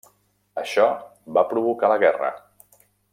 Això va provocar la guerra.